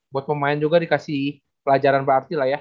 buat pemain juga dikasih pelajaran berarti lah ya